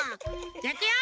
じゃあいくよ！